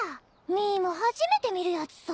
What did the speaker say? ミーも初めて見るやつさ。